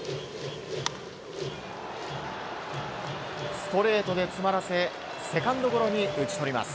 ストレートで詰まらせセカンドゴロに打ち取ります。